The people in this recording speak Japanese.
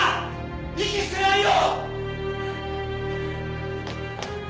息してないよ！